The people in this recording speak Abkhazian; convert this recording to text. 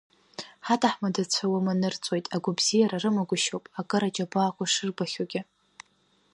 Ҳаҭаҳмадцәа уама нырҵуеит, агәабзиара рымагәышьоуп, акыр аџьабаақәа шырбахьоугьы.